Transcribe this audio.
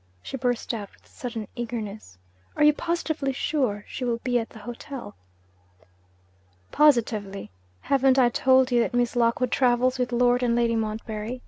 she burst out with sudden eagerness. 'Are you positively sure she will be at the hotel?' 'Positively! Haven't I told you that Miss Lockwood travels with Lord and Lady Montbarry?